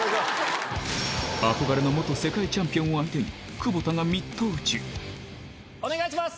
憧れの世界チャンピオンを相手に窪田がミット打ちお願いします！